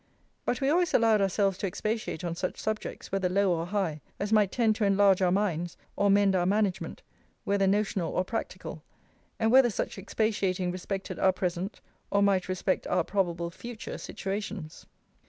But we always allowed ourselves to expatiate on such subjects, whether low or high, as might tend to enlarge our minds, or mend our management, whether notional or practical, and whether such expatiating respected our present, or might respect our probable future situations.